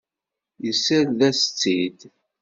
Yessared-as-tt-id.